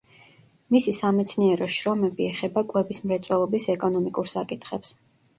მისი სამეცნიერო შრომები ეხება კვების მრეწველობის ეკონომიკურ საკითხებს.